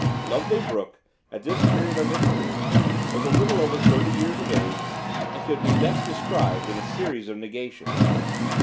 Loveday Brooke, at this period of her career, was a little over thirty years of age, and could be best described in a series of negations.